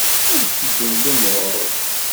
Amek teddun lmuṛ?